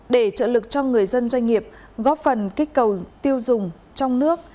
để trợ lực cho người dân doanh nghiệp góp phần kích cầu tiêu dùng trong nước